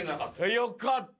よかった。